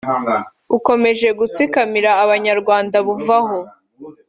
bukomeje gutsikamira abanyarwanda buvaho